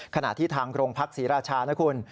ขณะที่ทางโรงพักศรีราชานะคุณ